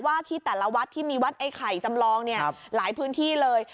ที่แต่ละวัดที่มีวัดไอ้ไข่จำลองเนี่ยหลายพื้นที่เลย